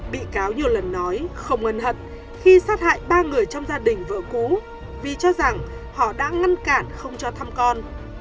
bị cáo nhiều lần nói không ân hận khi sát hại ba người trong gia đình vợ cũ vì cho rằng họ đã ngăn cản không cho thăm con